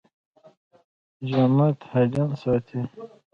جامد حجم ساتي.